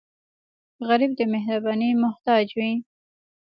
غریب د مهربانۍ محتاج وي